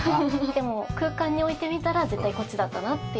でも空間に置いてみたら絶対にこっちだったなっていう。